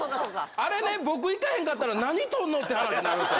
あれね、僕、行かへんかったら、何撮るの？って話になるんですよ。